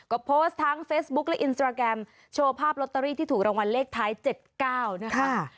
ก็โพสต์ทั้งเฟซบุ๊คและอินสตราแกรมโชว์ภาพลอตเตอรี่ที่ถูกรางวัลเลขท้าย๗๙นะคะ